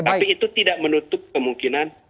tapi itu tidak menutup kemungkinan